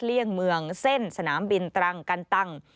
เลี่ยงเมืองเส้นสนามบินตรังกันตัง